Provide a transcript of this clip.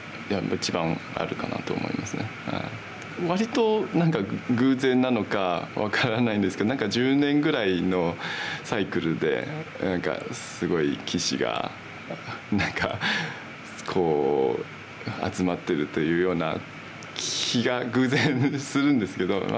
割と何か偶然なのか分からないんですけど何か１０年ぐらいのサイクルですごい棋士が何かこう集まってるというような気が偶然するんですけど。